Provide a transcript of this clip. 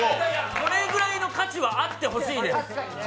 それぐらいの価値はあってほしいです。